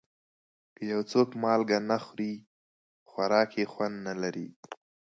که یو څوک مالګه نه خوري، خوراک یې خوند نه لري.